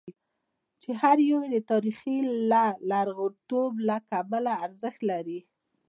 چې هر یو یې د تاریخي لرغونتوب له کبله ارزښت لري.